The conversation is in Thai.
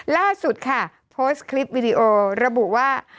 ล่าสุดค่ะโพสต์คลิปวิดีโอระบุว่า